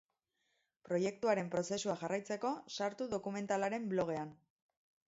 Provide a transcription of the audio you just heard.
Proiektuaren prozesua jarraitzeko, sartu dokumentalaren blogean.